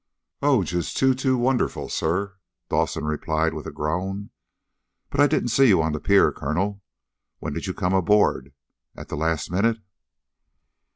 "Oh, just too, too wonderful, sir!" Dawson replied with a groan. "But I didn't see you on the pier, Colonel. When did you come aboard? At the last minute?"